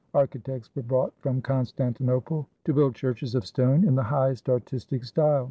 Architects were brought from Constantinople to build churches of stone in the highest artistic style.